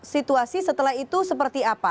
situasi setelah itu seperti apa